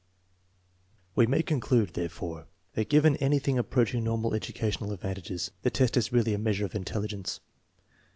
TEST NO. X, 4 2G5 We may conclude, therefore, that given anything ap proaching normal educational advantages, the test is really a measure of intelligence.